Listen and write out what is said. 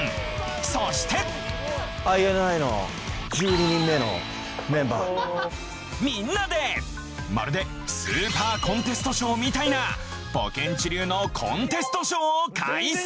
そしてみんなでまるでスーパーコンテストショーみたいなポケんち流のコンテストショーを開催！